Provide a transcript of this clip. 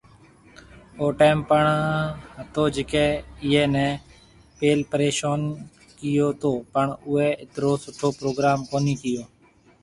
او ٽيم پڻ هتي جڪي ايئي ني پيل پريشون ڪيئو تو پڻ اوئي اترو سٺو پروگرام ڪونهي ڪيئو